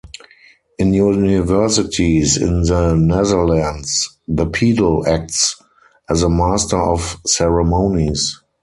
In universities in the Netherlands the pedel acts as a master of ceremonies.